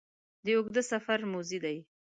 د اوږده سفر موزې دي